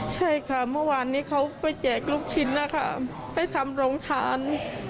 ใช่ค่ะเมื่อวานนี้เขาไปแจกลูกชิ้นนะคะไปทำโรงทาน